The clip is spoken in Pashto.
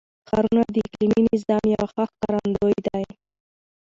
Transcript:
ښارونه د اقلیمي نظام یو ښه ښکارندوی دی.